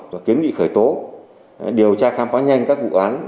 và kiến nghị khởi tố điều tra khám phá nhanh các vụ án